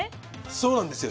そうなんですよ。